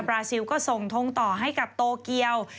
ราซิลก็ส่งทงต่อให้กับโตเกียว